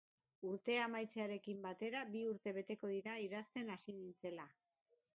Urtea amaitzearekin batera bi urte beteko dira idazten hasi nintzela.